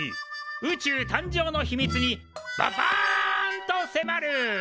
宇宙誕生の秘密にバ『バーン』と迫る」。